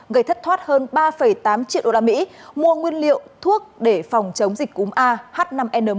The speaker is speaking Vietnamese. gây thất thoát hơn ba tám triệu usd mua nguyên liệu thuốc để phòng chống dịch cúm ah năm n một